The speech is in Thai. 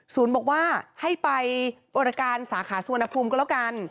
ศูนย์บอกว่าให้ไปบริการสาขาสวนภูมิก็แล้วกัน